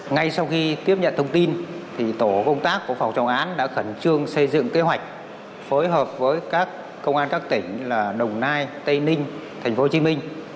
ngay sau khi tiếp nhận thông tin tổ công tác của phòng trọng án đã khẩn trương xây dựng kế hoạch phối hợp với các công an các tỉnh là đồng nai tây ninh thành phố hồ chí minh